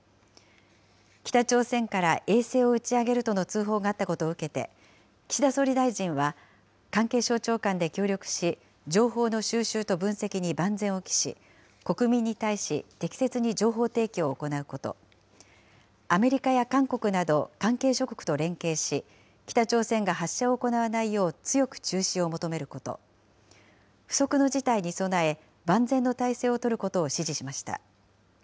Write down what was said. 北朝鮮から衛星を打ち上げるとの通報があったことを受けて、岸田総理大臣は関係省庁間で協力し、情報の収集と分析に万全を期し、国民に対し適切に情報提供を行うこと、アメリカや韓国など関係諸国と連携し、北朝鮮が発射を行わないよう強く中止を求めること、不測の事態に備え、万全の態勢を取ることを指示しました。